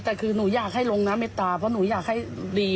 แต่คือหนูอยากให้ลงน้ำเมตตาเพราะหนูอยากให้ดี